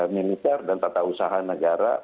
militer dan tata usaha negara